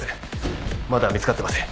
まだ見つかってません。